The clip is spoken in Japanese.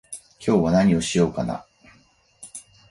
今日は何をしようかな